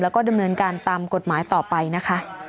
แล้วก็ดำเนินการตามกฎหมายต่อไปนะคะ